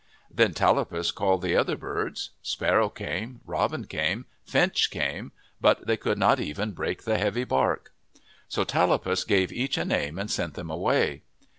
Then Tallapus called the other birds. Sparrow came, Robin came, Finch came, but they could not even break the heavy bark. So Tallapus gave each a name and sent them away.